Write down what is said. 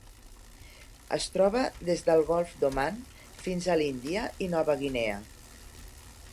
Es troba des del Golf d'Oman fins a l'Índia i Nova Guinea.